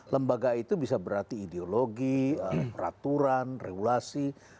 lembaga itu bisa berarti ideologi peraturan regulasi